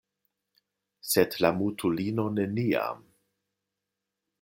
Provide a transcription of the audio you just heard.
Sed la mutulino neniam